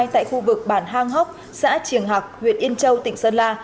tại khu vực bản hang hóc xã triềng hạc huyện yên châu tỉnh sơn la